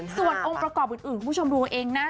ส่วนองค์ประกอบอื่นคุณผู้ชมดูเอาเองนะ